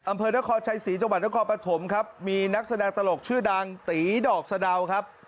อำเภอนครชัยศรีจังหวัดนครปฐมครับมีนักแสดงตลกชื่อดังตีดอกสะดาวครับ